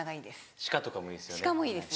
鹿とかもいいですよね。